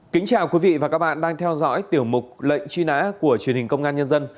kính chào quý vị và các bạn đang theo dõi tiểu mục lệnh truy nã của truyền hình công an nhân dân